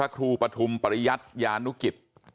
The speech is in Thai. ครูปฐุมปริยัติยานุกิจ